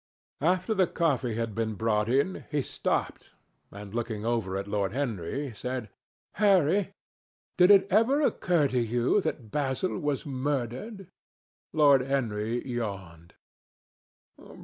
After the coffee had been brought in, he stopped, and looking over at Lord Henry, said, "Harry, did it ever occur to you that Basil was murdered?" Lord Henry yawned.